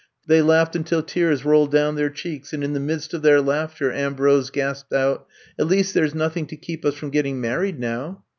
They laughed until tears rolled down their cheeks, and in the midst of their laughter Ambrose gasped out : ^^At least there 's nothing to keep us from getting married now.